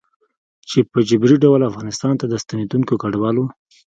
چې په جبري ډول افغانستان ته د ستنېدونکو کډوالو